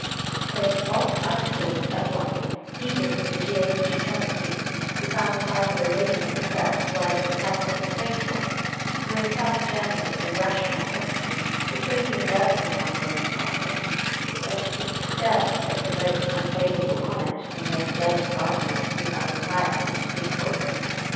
So off I soared at once, heedless of the jeers of Teutonic youth who found the sight of a lady in skirts riding a cycle a strange one — for in South Germany the " rational " costume is so universal among women cyclists that 't is the skirt that provokes un favourable comment from those jealous guardians of female propriety, the street boys.